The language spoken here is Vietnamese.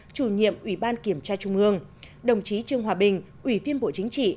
chủ nhiệm ủy ban kiểm tra trung ương đồng chí trương hòa bình ủy viên bộ chính trị